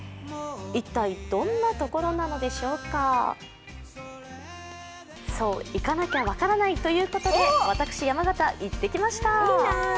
一体、どんなところなのでしょうかそう、行かなきゃ分からないということで、私、山形、行ってきました。